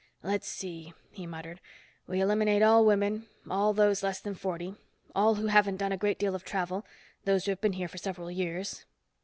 "Let's see," he muttered. "We eliminate all women, all those less than forty, all who haven't done a great deal of travel, those who have been here for several years."